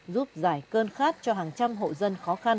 giúp giải cơn khát cho hàng trăm hộ dân khó khăn